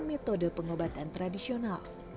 metode pengobatan tradisional